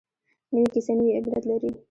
نوې کیسه نوې عبرت لري